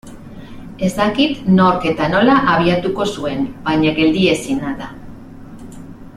Ez dakit nork eta nola abiatuko zuen baina geldiezina da.